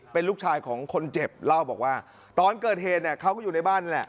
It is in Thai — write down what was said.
เป็นลูกชายของคนเจ็บเล่าบอกว่าตอนเกิดเหตุเนี่ยเขาก็อยู่ในบ้านนั่นแหละ